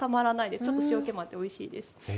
ちょっと塩けもあっておいしいです。